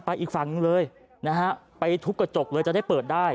อีกฝั่งหนึ่งเลยนะฮะไปทุบกระจกเลยจะได้เปิดได้